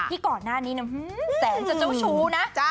ก่อนหน้านี้แสนจะเจ้าชู้นะ